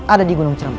ada di gunung merapi